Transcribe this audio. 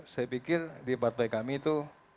saya pikir di partai kami itu